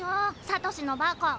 サトシのバカ。